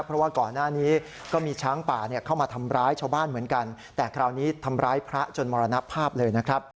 เพราะว่าก่อนหน้านี้ก็มีช้างป่าเข้ามาทำร้ายชาวบ้านเหมือนกันแต่คราวนี้ทำร้ายพระจนมรณภาพเลยนะครับ